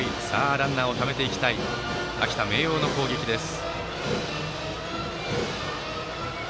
ランナーをためていきたい秋田・明桜の攻撃です。